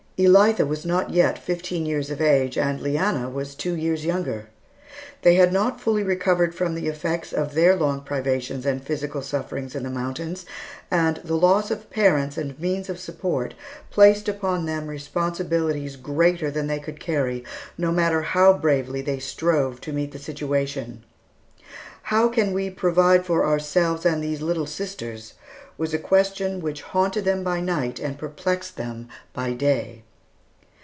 Elitha was not yet fifteen years of age, and Leanna was two years younger. They had not fully recovered from the effects of their long privations and physical sufferings in the mountains; and the loss of parents and means of support placed upon them responsibilities greater than they could carry, no matter how bravely they strove to meet the situation. "How can we provide for ourselves and these little sisters?" was a question which haunted them by night and perplexed them by day.